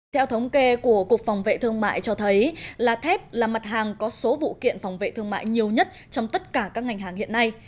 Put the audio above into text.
theo thống kê của cục phòng vệ thương mại cho thấy là thép là mặt hàng có số vụ kiện phòng vệ thương mại nhiều nhất trong tất cả các ngành hàng hiện nay